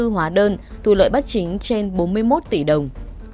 hóa đơn thu lợi bắt chính trên bốn mươi một tỷ đồng